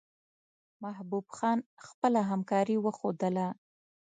محبوب خان خپله همکاري وښودله.